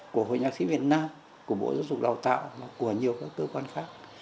của hội nhạc sĩ việt nam của bộ giáo dục đào tạo và của nhiều các cơ quan khác